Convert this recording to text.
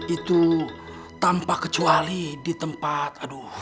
itu tanpa kecuali di tempat aduh